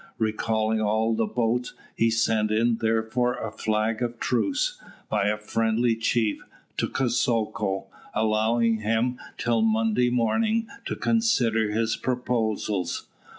Recalling all the boats, he sent in therefore a flag of truce, by a friendly chief, to Kosoko, allowing him till Monday morning to consider his proposals.